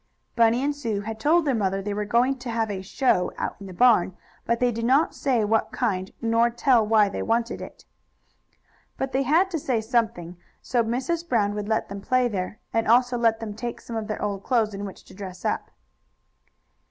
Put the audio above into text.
Bunny and Sue had told their mother they were going to have a "show" out in the barn, but they did not say what kind, nor tell why they wanted it. But they had to say something, so Mrs. Brown would let them play there, and also let them take some of their old clothes, in which to "dress up."